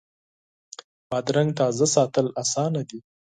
بادرنګ تازه ساتل اسانه دي.